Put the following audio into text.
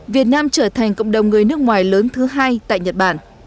việt nam trở thành cộng đồng người nước ngoài lớn thứ hai tại nhật bản